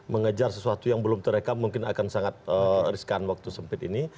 mengejar sesuatu yang belum terekam mungkin akan sangat riskan waktu sempit ini